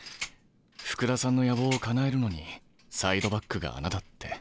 福田さんの野望をかなえるのにサイドバックが穴だって。